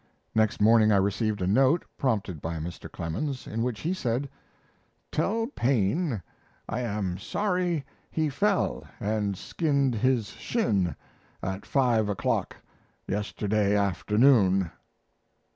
Next morning I received a note, prompted by Mr. Clemens, in which he said: Tell Paine I am sorry he fell and skinned his shin at five o'clock yesterday afternoon.